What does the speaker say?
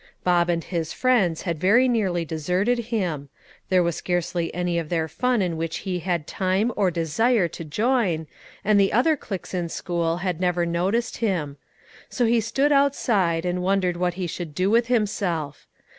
Bob and his friends had very nearly deserted him; there was scarcely any of their fun in which he had time or desire to join, and the other cliques in school had never noticed him; so he stood outside, and wondered what he should do with himself.